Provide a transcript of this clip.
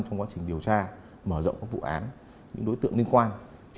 trong quá trình điều tra mở rộng các vụ án những đối tượng liên quan